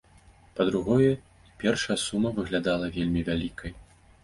Па-другое, і першая сума выглядала вельмі вялікай.